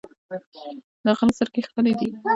د غره زرکې ښکلې دي